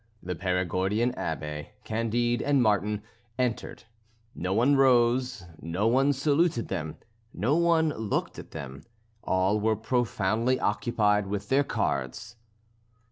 The Perigordian Abbé, Candide and Martin entered; no one rose, no one saluted them, no one looked at them; all were profoundly occupied with their cards.